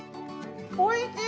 おいしい！